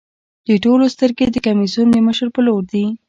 د ټولو سترګې د کمېسیون د مشر په لور دي.